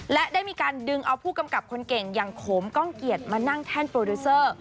และได้มีการดึงเอาผู้กำกับคนเก่งอย่างโขมก้องเกียจมานั่งแท่นโปรดิวเซอร์